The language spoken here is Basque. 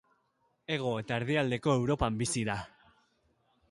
Hego eta erdialdeko Europan bizi da.